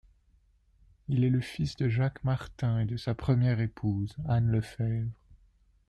Il est le fils de Jacques Martin et de sa première épouse, Anne Lefèvre.